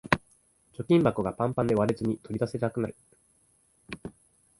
貯金箱がパンパンで割れずに取り出せなくなる